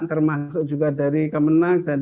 termasuk juga dari kemenang dan